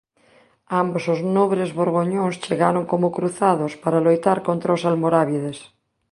Ambos os nobres borgoñóns chegaron como cruzados para loitar contra os almorábides.